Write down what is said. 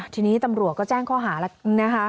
ทีนี้ตำรวจก็แจ้งข้อหาแล้วนะคะ